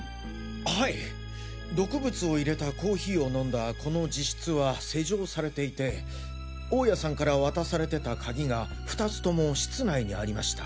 はい毒物を入れたコーヒーを飲んだこの自室は施錠されていて大家さんから渡されてた鍵が２つとも室内にありました。